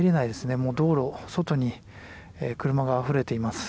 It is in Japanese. もう道路外に車があふれています。